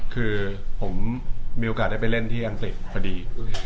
คือผมมีโอกาสได้ไปเล่นที่อังกฤษพอดี